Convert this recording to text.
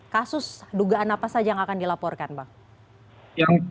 kasus dugaan apa saja yang akan dilaporkan bang